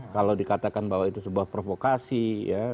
kalau dikatakan bahwa itu sebuah provokasi ya